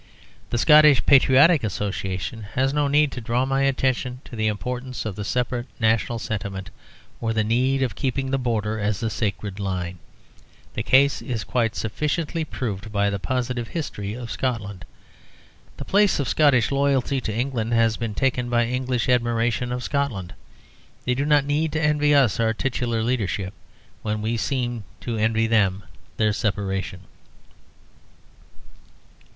The Scottish Patriotic Association has no need to draw my attention to the importance of the separate national sentiment or the need of keeping the Border as a sacred line. The case is quite sufficiently proved by the positive history of Scotland. The place of Scottish loyalty to England has been taken by English admiration of Scotland. They do not need to envy us our titular leadership, when we seem to envy them their separation.